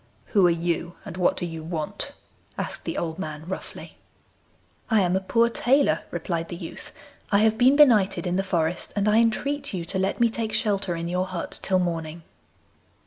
'Who are you, and what do you want?' asked the old man roughly. 'I am a poor tailor,' replied the youth. 'I have been benighted in the forest, and I entreat you to let me take shelter in your hut till morning.